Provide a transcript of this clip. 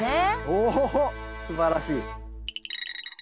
おおっすばらしい。